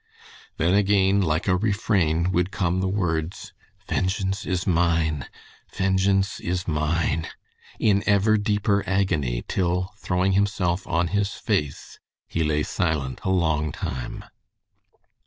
Then again, like a refrain would come the words, "Vengeance is mine. Vengeance is mine," in ever deeper agony, till throwing himself on his face, he lay silent a long time.